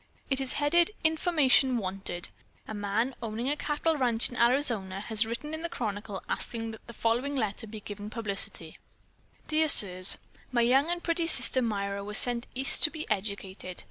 "It is headed, 'Information wanted.' A man owning a cattle ranch in Arizona has written the Chronicle asking that the following letter be given publicity: "'Dear Sirs: "'My young and pretty sister, Myra, was sent East to be educated.